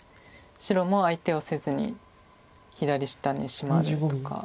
白も相手をせずに左下にシマるとか。